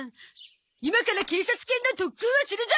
今から警察犬の特訓をするゾ！